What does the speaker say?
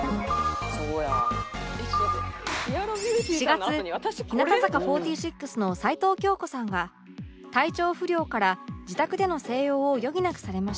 ４月日向坂４６の齊藤京子さんが体調不良から自宅での静養を余儀なくされました